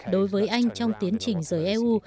đối với anh trong tiến trình giới eu